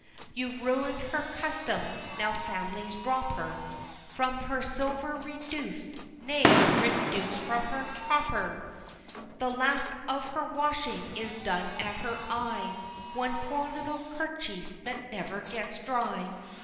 You've ruin'd her custom now families drop her From her silver reduc'd nay, reduc'd from her copper! The last of her washing is done at her eye, One poor little kerchief that never gets dry!